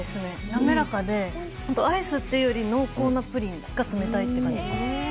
滑らかで、アイスっていうより濃厚なプリンが冷たいって感じです。